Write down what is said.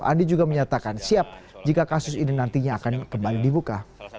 andi juga menyatakan siap jika kasus ini nantinya akan kembali dibuka